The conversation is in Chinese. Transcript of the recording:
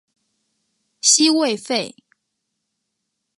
西魏废。